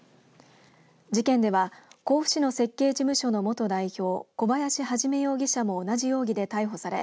事件では甲府市の設計事務所の元代表小林一容疑者も同じ容疑で逮捕され